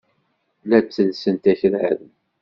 La ttellsent akraren.